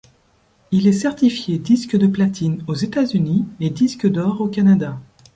Il est certifié disque de platine aux États-Unis et disque d'or au Canada.